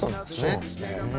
そうなんですね。